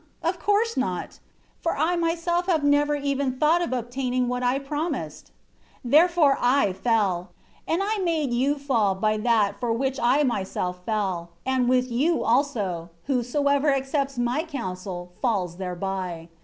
Of course not. For I myself have never even thought of obtaining what I promised. 6 Therefore I fell, and I made you fall by that for which I myself fell; and with you also, whosoever accepts my counsel, falls thereby.